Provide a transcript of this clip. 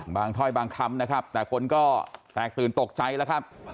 ถ้อยบางคำนะครับแต่คนก็แตกตื่นตกใจแล้วครับ